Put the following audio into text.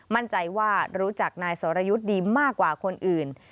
มั่นใจว่ารู้จักนายสรยุทธ์ดีมากกว่าคนอื่น